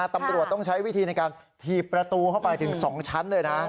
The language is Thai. ตำรวจต้องใช้วิธีในการถีบประตูเข้าไปถึง๒ชั้นเลยนะ